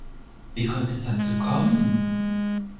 Wie konnte es dazu kommen?